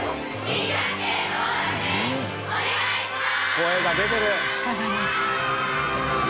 声が出てる！